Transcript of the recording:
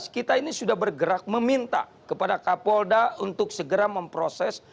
kita ini sudah bergerak meminta kepada kapolda untuk segera memproses